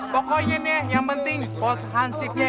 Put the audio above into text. pokoknya nih yang penting pot hansipnya